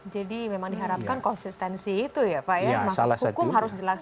jadi memang diharapkan konsistensi itu ya pak ya makhluk hukum harus dilaksanakan